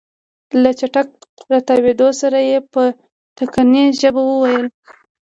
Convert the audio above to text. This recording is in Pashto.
له چټک راتاوېدو سره يې په ټکنۍ ژبه وويل.